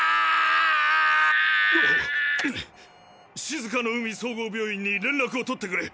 静かの海総合病院に連絡を取ってくれ！